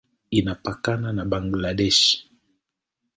Inapakana na Bangladesh.